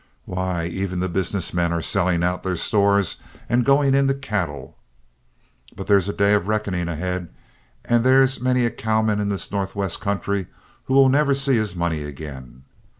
Why, even the business men are selling out their stores and going into cattle. But there's a day of reckoning ahead, and there's many a cowman in this Northwest country who will never see his money again.